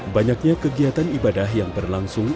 banyaknya kegiatan ibadah yang berlangsung